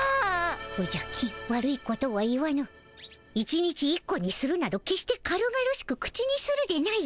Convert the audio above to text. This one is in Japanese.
おじゃ金悪いことは言わぬ１日１個にするなど決して軽々しく口にするでないぞ。